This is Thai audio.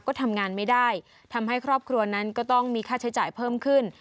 ก็ทำงานไม่ได้ทำให้ครอบครัวนั้นก็ต้องมีค่าใช้จ่ายเพิ่มขึ้น